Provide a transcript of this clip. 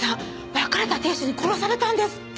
別れた亭主に殺されたんですって？